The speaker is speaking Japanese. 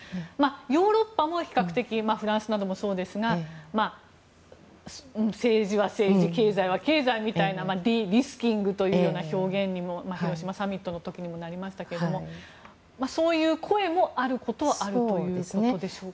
ヨーロッパも比較的フランスなどもそうですが政治は政治、経済は経済みたいなデリスキングという表現にも広島サミットの時にもなりましたけどもそういう声も、あることはあるということでしょうか？